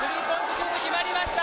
シュート決まりました。